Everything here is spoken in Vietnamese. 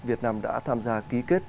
việt nam đã tham gia ký kết